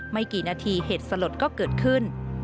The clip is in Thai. ไม่กี่นาทีเหตุสลดก็เกิดขึ้น